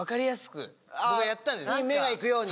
目が行くように。